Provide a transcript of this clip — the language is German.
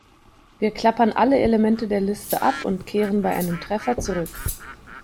Wir klappern alle Elemente der Liste ab und kehren bei einem Treffer zurück.